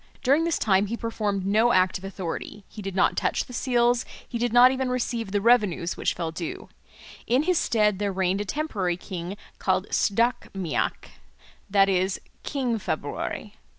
During this time he performed no act of authority, he did not touch the seals, he did not even receive the revenues which fell due. In his stead there reigned a temporary king called Sdach Méac, that is, King February.